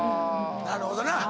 なるほどな。